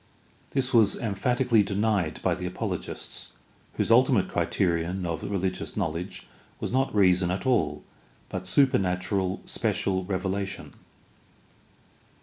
This was emphatically denied by the apologists, whose ultimate criterion of religious knowledge was not reason at all, but supernatural, special revelation.